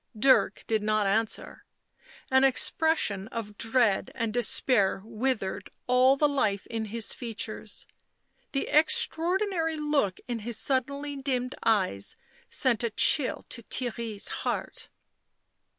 Dirk did not answer, an expression of dread and despair withered all the life in his features ; the extraordinary look in his suddenly dimmed eyes sent a chill to Theirry's heart.